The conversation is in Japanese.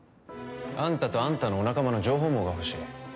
あんたとあんたのお仲間の情報網が欲しい